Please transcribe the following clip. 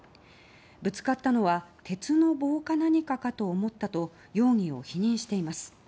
ぶつかったのは鉄の棒か何かかと思ったと容疑を否認しています。